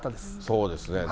そうですね。